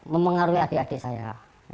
mempengaruhi adik adik saya